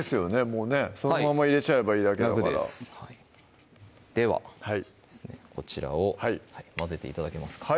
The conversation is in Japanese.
もうねそのまま入れちゃえばいいだけだからではこちらを混ぜて頂けますか？